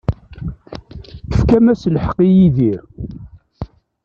Tefkam-as lḥeqq i Yidir.